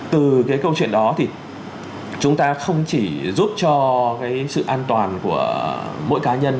từ cái câu chuyện đó thì chúng ta không chỉ giúp cho cái sự an toàn của mỗi cá nhân